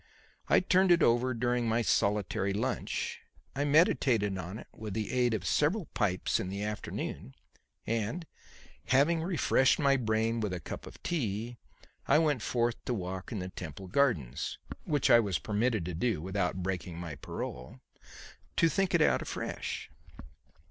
I turned it over during my solitary lunch; I meditated on it with the aid of several pipes in the afternoon; and having refreshed my brain with a cup of tea, I went forth to walk in the Temple gardens which I was permitted to do without breaking my parole to think it out afresh.